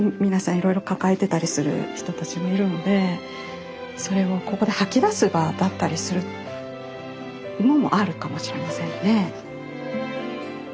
いろいろ抱えてたりする人たちもいるのでそれをここで吐き出す場だったりするのもあるかもしれませんね。